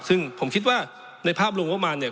ซึ่งผมคิดว่าในภาพรวมงบประมาณเนี่ย